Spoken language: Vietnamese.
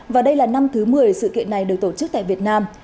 và đây là năm thứ một mươi sự kiện này được tổ chức tại việt nam